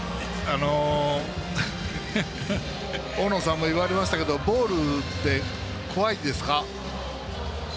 大野さんも言われましたがボールって怖いですか？